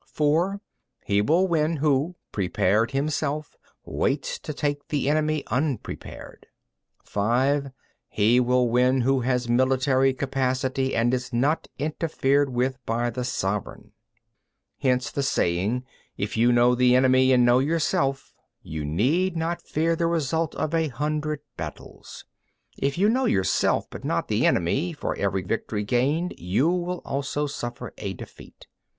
(4) He will win who, prepared himself, waits to take the enemy unprepared. (5) He will win who has military capacity and is not interfered with by the sovereign. Victory lies in the knowledge of these five points. 18. Hence the saying: If you know the enemy and know yourself, you need not fear the result of a hundred battles. If you know yourself but not the enemy, for every victory gained you will also suffer a defeat.